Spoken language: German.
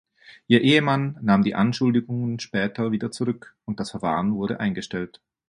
Ihr Ehemann nahm die Anschuldigungen später wieder zurück und das Verfahren wurde eingestellt.